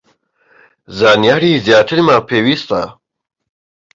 زانیاری زیاترمان پێویستە